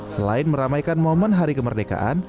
selain meramaikan momen hari kemerdekaan